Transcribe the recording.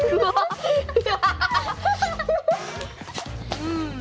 うん。